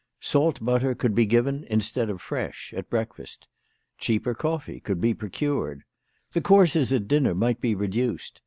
Salt butter could be given instead of fresh at breakfast. Cheaper coffee could be procured. The courses at dinner might be reduced.